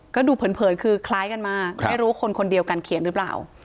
ก็ดูเผินคือคล้ายกันมากไม่รู้ว่าคนคนเดียวกันเขียนหรือเปล่า